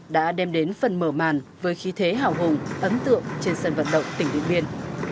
đã đem đến phần mở màn với khí thế hào hùng ấn tượng trên sân vận động tỉnh điện biên